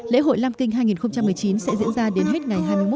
lễ hội lam kinh hai nghìn một mươi chín sẽ diễn ra đến hết ngày hai mươi một tháng một